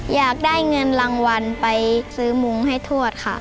อยากได้เงินรางวัลไปซื้อมุ้งให้ทวดค่ะ